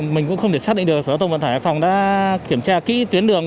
mình cũng không thể xác định được sở giao thông vận tải hải phòng đã kiểm tra kỹ tuyến đường